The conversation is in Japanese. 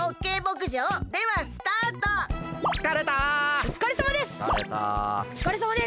おつかれさまです！